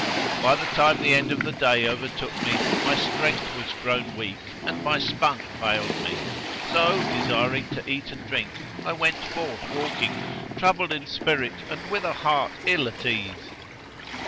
By the time the end of the day overtook me, my strength was grown weak and my spunk failed me; so, desiring to eat and drink, I went forth walking, troubled in spirit and with a heart ill at ease.